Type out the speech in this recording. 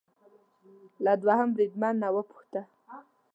له دوهم بریدمن نه وپوښته